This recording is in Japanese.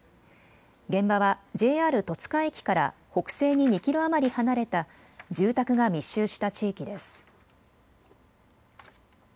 現場はＪＲ戸塚駅から北西に２キロ余り離れた住宅が密集した地域です。